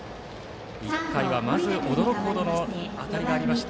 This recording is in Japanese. １回はまず驚くほどの当たりがありました。